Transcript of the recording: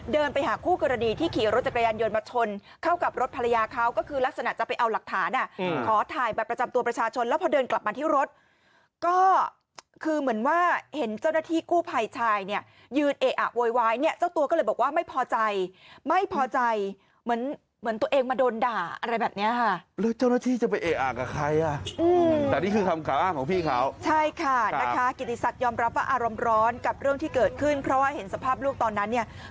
เดินไปหาคู่กรดีที่ขี่รถจักรยานยนต์มาชนเข้ากับรถภรรยาเขาก็คือลักษณะจะไปเอาหลักฐานนะขอถ่ายบัตรประจำตัวประชาชนแล้วพอเดินกลับมาที่รถก็คือเหมือนว่าเห็นเจ้าหน้าที่คู่ภัยชายเนี่ยยืนเอกอ่ะโวยวายเนี่ยเจ้าตัวก็เลยบอกว่าไม่พอใจไม่พอใจเหมือนตัวเองมาโดนด่าอะไรแบบเนี่ยฮะแล้วเจ้าหน